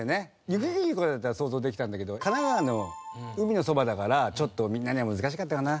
雪国とかだったら想像できたんだけど神奈川の海のそばだからちょっとみんなには難しかったかな。